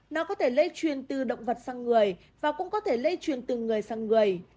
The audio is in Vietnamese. nó có thể lây truyền từ động vật sang người và cũng có thể lây truyền từ người sang người